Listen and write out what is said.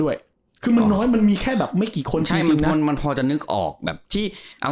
ด้วยคือมันน้อยมันมีแค่แบบไม่กี่คนที่มันมันพอจะนึกออกแบบที่อ่า